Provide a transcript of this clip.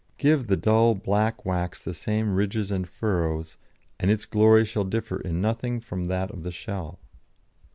Give the dull, black wax the same ridges and furrows, and its glory shall differ in nothing from that of the shell.